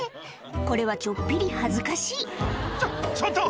これはちょっぴり恥ずかしいちょちょっと！